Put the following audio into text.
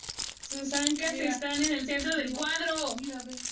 Sus ancas están en el centro del cuadro.